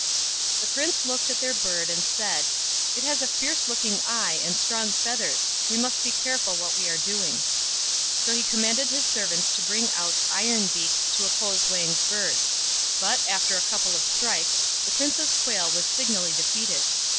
The Prince looked at their bird and said, " It has a fierce looking eye and strong feathers. We must be careful what we are doing." So he commanded his servants to bring out Iron Beak to oppose Wang's bird ; but, after a couple of strikes, the prince's quail was signally defeated.